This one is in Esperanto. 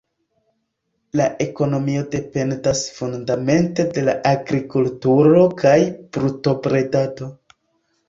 La ekonomio dependas fundamente de la agrikulturo kaj brutobredado.